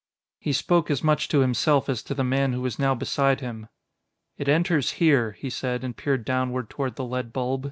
He spoke as much to himself as to the man who was now beside him. "It enters here," he said and peered downward toward the lead bulb.